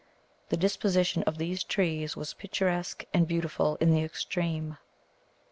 The disposition of these trees was picturesque and beautiful in the extreme.